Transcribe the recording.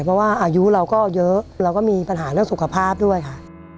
เพราะว่าอายุเราก็เยอะเราก็มีปัญหาเรื่องสุขภาพด้วยค่ะ